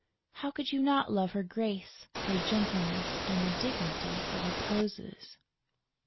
How could you not love her grace, her gentleness and the dignity of her poses?